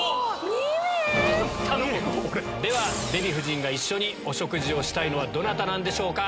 デヴィ夫人が一緒にお食事をしたいのはどなたでしょうか。